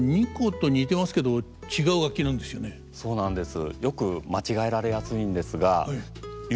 そうなんです。